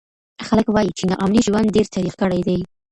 خلک وایي چې ناامني ژوند ډېر تریخ کړی دی.